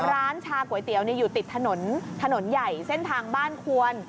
ร้านชาก๋วยเตี๋ยวอยู่ติดถนนถนนใหญ่เส้นทางบ้านควร